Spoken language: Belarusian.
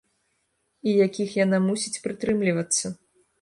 І якіх яна мусіць прытрымлівацца.